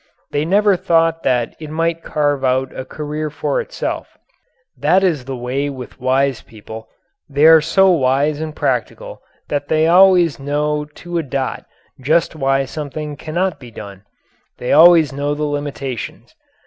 They never thought that it might carve out a career for itself. That is the way with wise people they are so wise and practical that they always know to a dot just why something cannot be done; they always know the limitations.